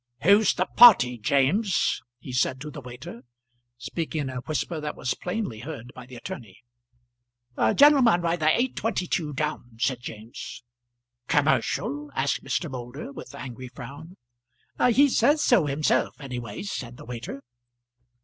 "Who's the party, James?" he said to the waiter, speaking in a whisper that was plainly heard by the attorney. "Gen'elman by the 8.22 down," said James. "Commercial?" asked Mr. Moulder, with angry frown. "He says so himself, anyways," said the waiter.